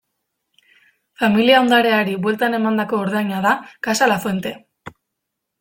Familia ondareari bueltan emandako ordaina da Casa Lafuente.